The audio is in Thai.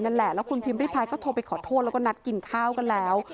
นั่นแหละแล้วคุณพิมพิพายก็โทรไปขอโทษแล้วก็นัดกินข้าวกันแล้ว